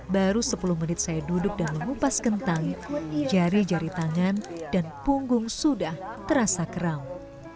baru sepuluh menit saya duduk dan mengupas kentang jari jari tangan dan punggung sudah terasa keraung